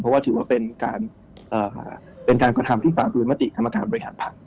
เพราะว่าถือว่าเป็นการกระทำที่ฝ่าพื้นมติของกรรมการบริหารพักษณ์